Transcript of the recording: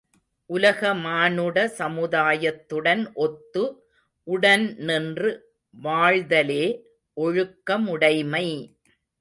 உலக மானுட சமுதாயத்துடன் ஒத்து, உடன் நின்று வாழ்தலே ஒழுக்கமுடைமை.